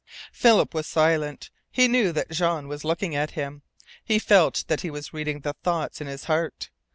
Philip was silent. He knew that Jean was looking at him. He felt that he was reading the thoughts in his heart.